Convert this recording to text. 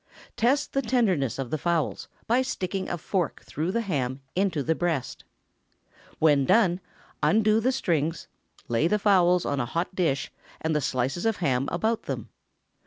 Test the tenderness of the fowls, by sticking a fork through the ham into the breast. When done, undo the strings, lay the fowls in a hot dish, and the slices of ham about them.